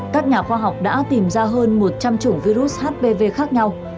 các nhà khoa học đã tìm ra hơn một trăm linh chủng virus hpv khác nhau